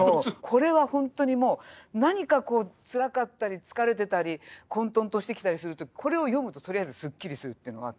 これはほんとにもう何かこうつらかったり疲れてたり混とんとしてきたりする時これを読むととりあえずすっきりするっていうのがあって。